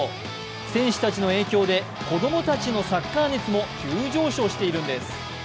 選手たちの影響で子供たちのサッカー熱も急上昇しているんです。